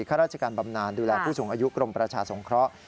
ข้าราชการบำนานดูแลผู้สูงอายุกรมประชาสงเคราะห์